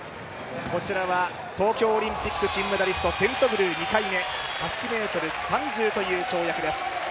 こちらは東京オリンピック金メダリスト、テントグルの２回目８ｍ３０という跳躍です。